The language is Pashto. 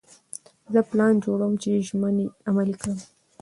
زه پلان جوړوم چې ژمنې عملي کړم.